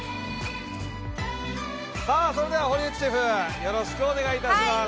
さあそれでは堀内シェフよろしくお願い致します。